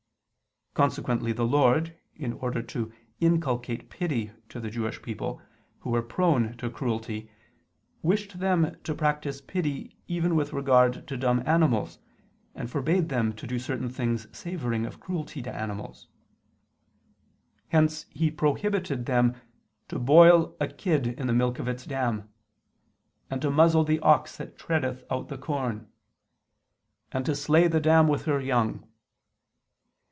Consequently the Lord, in order to inculcate pity to the Jewish people, who were prone to cruelty, wished them to practice pity even with regard to dumb animals, and forbade them to do certain things savoring of cruelty to animals. Hence He prohibited them to "boil a kid in the milk of its dam"; and to "muzzle the ox that treadeth out the corn"; and to slay "the dam with her young."